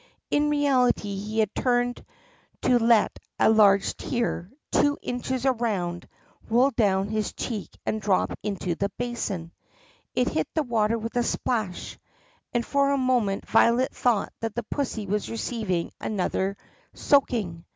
In reality he had turned to let a large tear, two inches around, roll down his cheek and drop into the basin. It hit the water with a splash, and for a moment Violet thought that the pussy was receiving another soaking.